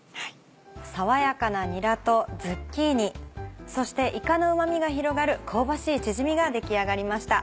爽やかなにらとズッキーニそしていかのうま味が広がる香ばしいチヂミが出来上がりました。